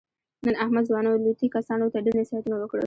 نن احمد ځوانو لوطي کسانو ته ډېر نصیحتونه وکړل.